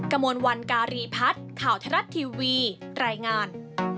กระมวลวันการีพัฒน์ข่าวทรัฐทีวีรายงาน